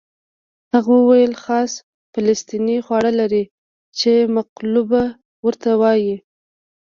هغه وویل خاص فلسطیني خواړه لري چې مقلوبه ورته وایي.